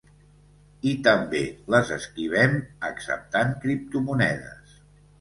I també les esquivem acceptant criptomonedes.